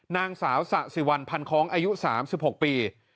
นางสาวศาสิวัลพันธุ์ค้องอายุ๓๖ปี